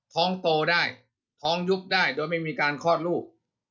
ท้องโตได้ท้องยุบได้โดยไม่มีการคลอดลูก